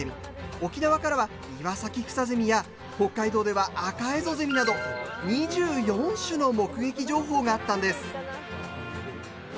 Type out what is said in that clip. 沖縄からはイワサキクサゼミや北海道ではアカエゾゼミなど２４種の目撃情報があったんです。